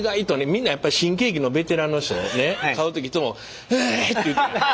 みんなやっぱり新喜劇のベテランの人買う時いつもふぁ！って言って。